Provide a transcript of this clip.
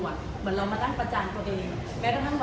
เหมือนเรามานั่งประจานตัวเอง